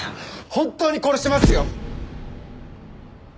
本当に殺しますよ？早く。